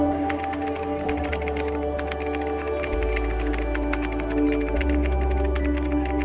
tapi harus happiest untuk mulai